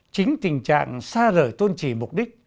chính tình trạng xa rời tôn chỉ mục đích